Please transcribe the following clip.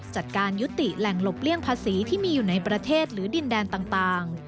จัดการยุติแหล่งหลบเลี่ยงภาษีที่มีอยู่ในประเทศหรือดินแดนต่าง